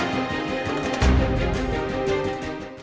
jangan lupa like share dan subscribe ya